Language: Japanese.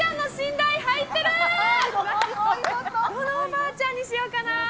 どのおばあちゃんにしようかな。